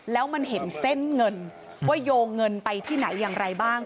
แล้วมันเห็นเส้นเงินว่าโยงเงินไปที่ไหนอย่างไรบ้าง